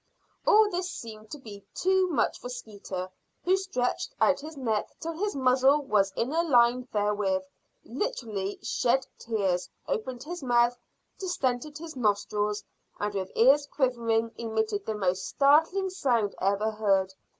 All this seemed to be too much for Skeeter, who stretched out his neck till his muzzle was in a line therewith, literally shed tears, opened his mouth, distended his nostrils, and with ears quivering, emitted the most startling sound ever heard.